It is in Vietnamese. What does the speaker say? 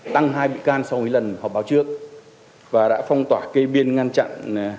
tăng hai bị can sau những lần họ báo trước và đã phong tỏa cây biên ngăn chặn